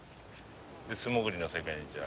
素潜りの世界にじゃあ。